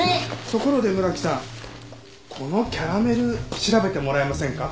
ところで村木さんこのキャラメル調べてもらえませんか？